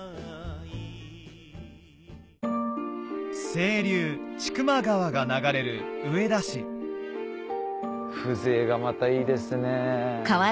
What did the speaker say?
清流千曲川が流れる上田市風情がまたいいですね。